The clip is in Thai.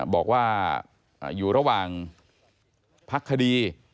บอกว่าอยู่ระวังภักษ์คดี